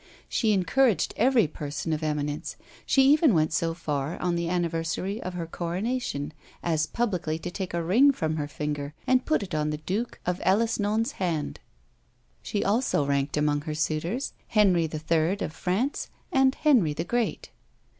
She encouraged every person of eminence: she even went so far, on the anniversary of her coronation, as publicly to take a ring from her finger, and put it on the Duke of Aleçnon's hand. She also ranked amongst her suitors Henry the Third of France, and Henry the Great.